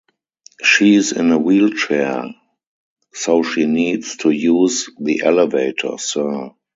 She's in a wheelchair, so she needs to use the elevator, sir.